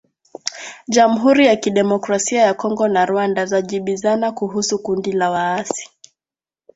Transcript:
Jamhuri ya Kidemokrasia ya Kongo na Rwanda zajibizana kuhusu kundi la waasi